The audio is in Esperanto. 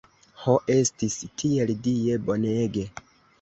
Ho, estis tiel Die bonege!